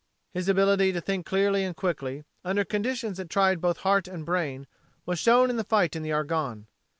His ability to think clearly and quickly, under conditions that tried both heart and brain, was shown in the fight in the Argonne.